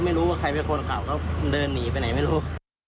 ไม่รู้ว่าใครเป็นคนขับก็เดินหนีไปไหนไม่รู้